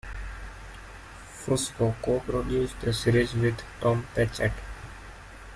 Fusco co-produced the series with Tom Patchett.